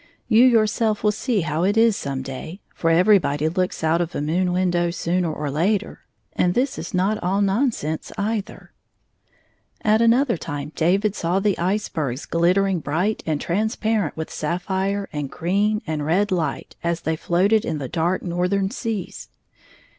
You yourself will see how it is some day, for everybody looks out of a moon window sooner or later, and this is not all nonsense either. At another time David saw the icebergs glit tering bright and transparent with sapphire and green and red light as they floated in the dark northern seas.